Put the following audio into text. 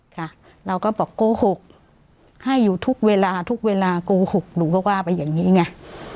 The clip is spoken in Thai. ค่ะเราก็บอกโกหกให้อยู่ทุกเวลาทุกเวลาโกหกหนูก็ว่าไปอย่างนี้ไง